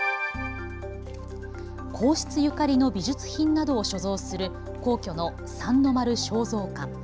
皇室ゆかりの美術品などを所蔵する皇居の三の丸尚蔵館。